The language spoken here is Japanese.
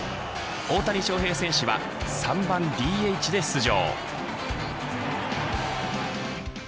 大谷翔平選手は３番ＤＨで出場。